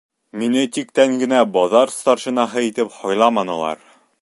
Мине тиктән генә баҙар старшинаһы итеп һайламанылар.